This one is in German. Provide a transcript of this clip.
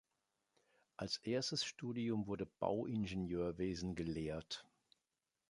Als erstes Studium wurde Bauingenieurwesen gelehrt.